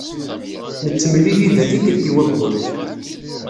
Nettemlili da tikkelt i wayyur.